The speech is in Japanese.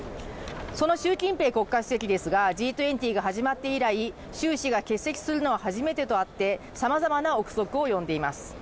その習近平国家主席ですが、Ｇ２０が始まって以来習氏が欠席するのは初めてとあってさまざまな臆測を呼んでいます。